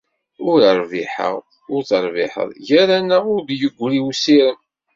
Ur rbiḥeɣ ur terbiḥeḍ gar-aneɣ ur d-yeggri usirem.